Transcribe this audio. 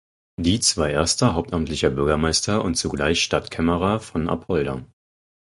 Dietz war erster hauptamtlicher Bürgermeister und zugleich Stadtkämmerer von Apolda.